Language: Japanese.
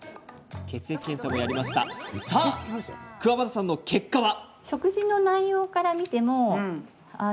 さあ、くわばたさんの結果は？